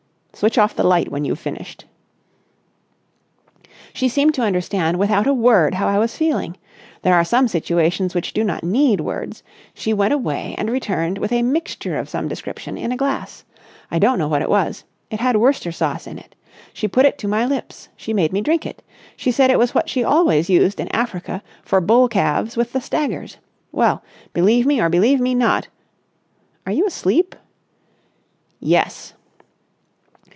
"Switch off the light when you've finished." "She seemed to understand without a word how I was feeling. There are some situations which do not need words. She went away and returned with a mixture of some description in a glass. I don't know what it was. It had Worcester Sauce in it. She put it to my lips. She made me drink it. She said it was what she always used in Africa for bull calves with the staggers. Well, believe me or believe me not ... are you asleep?" "Yes."